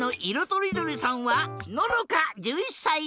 とりどりさんはののか１１さい。